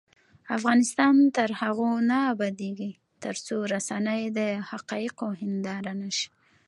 افغانستان تر هغو نه ابادیږي، ترڅو رسنۍ د حقایقو هنداره نشي.